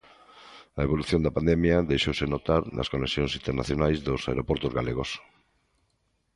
A evolución da pandemia deixouse notar nas conexións internacionais dos aeroportos galegos.